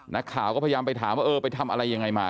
นักข่าวก็พยายามไปถามว่าเออไปทำอะไรยังไงมา